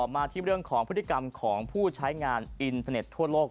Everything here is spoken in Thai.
มาที่เรื่องของพฤติกรรมของผู้ใช้งานอินเทอร์เน็ตทั่วโลก